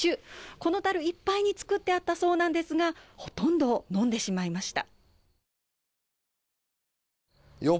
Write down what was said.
このたるいっぱいに作ってあったそうなんですが、ほとんど飲んでしまいました。